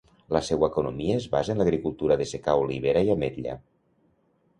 La seua economia es basa en l'agricultura de secà, olivera i ametla.